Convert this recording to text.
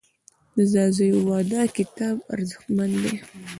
د ځاځیو واده کتاب ارزښتمن دی.